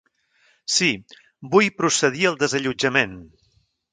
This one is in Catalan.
Sí, vull procedir al desallotjament!